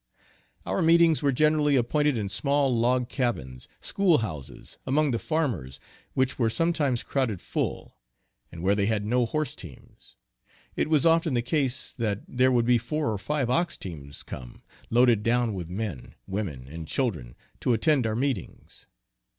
Our meetings were generally appointed in small log cabins, school houses, among the farmers, which were some times crowded full; and where they had no horse teams, it was often the case that there would be four or five ox teams come, loaded down with men, women and children, to attend our meetings.